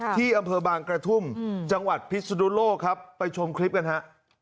ที่อำเภอบางกระทุ่มจังหวัดพิศนุโลกครับไปชมคลิปกันฮะ